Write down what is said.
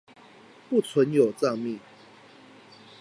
不存有帳密